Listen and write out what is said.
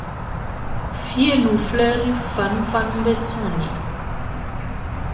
Fieʼn nunʼn, flɛri fanunfanunʼm be sɔnnin.